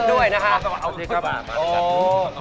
สวัสดีครับพี่บอม